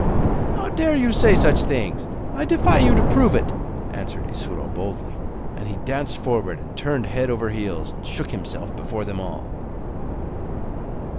'How dare you say such things? I defy you to prove it,' answered Isuro boldly. And he danced forward, and turned head over heels, and shook himself before them all.